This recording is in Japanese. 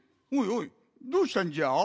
おいどうしたんじゃ？